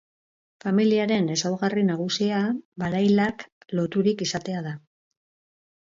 Familiaren ezaugarri nagusia barailak loturik izatea da.